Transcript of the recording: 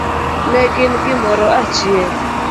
Ne gin gimoro achiel